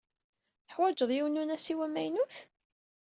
Teḥwaǧeḍ yiwen unasiw amaynut?